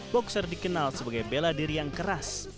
boxer dikenal sebagai bela diri yang keras